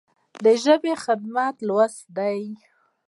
د ژبې خدمت لوست دی.